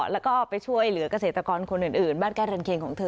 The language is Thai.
แล้วก็ไปช่วยเหลือกเกษตรกรคนอื่นบ้านใกล้เรือนเคียงของเธอ